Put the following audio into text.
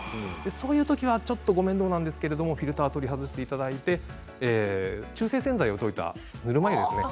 そういうときはちょっとご面倒なんですけれどもフィルター取り外していただいて中性洗剤を溶いたぬるま湯ですね